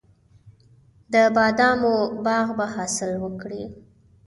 د بادامو باغ به حاصل وکړي.